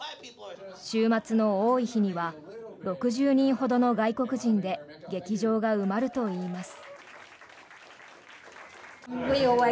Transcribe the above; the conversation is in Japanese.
週末の多い日には６０人ほどの外国人で劇場が埋まるといいます。